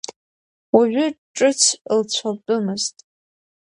Уажәы ҿыц лцәалтәымызт.